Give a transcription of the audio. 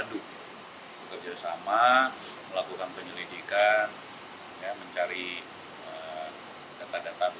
terima kasih bekerja sama melakukan penyelidikan mencari data data